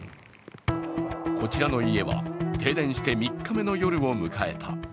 こちらの家は、停電して３日目の夜を迎えた。